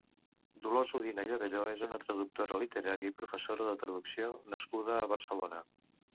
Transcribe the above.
Dolors Udina i Abelló és una traductora literària i professora de traducció nascuda a Barcelona.